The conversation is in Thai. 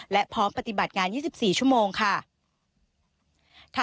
และพร้อมปฏิบัติงาน๒๔ชั่วโมงค่ะ